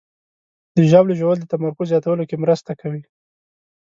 د ژاولې ژوول د تمرکز زیاتولو کې مرسته کوي.